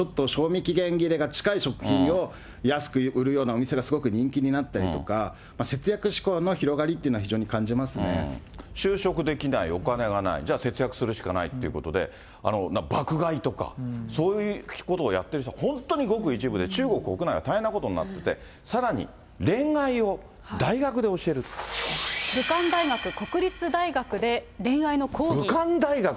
なので最近話題なのは、ディスカウントショップ、賞味期限切れが近い食品を安く売るようなお店が、すごく人気になったりとか、節約志向の広がりっていう就職できない、お金がない、じゃあ節約するしかないってことで、爆買いとか、そういうことをやってる人は本当にごく一部で、中国国内は大変なことになってて、武漢大学、国立大学で恋愛の講義。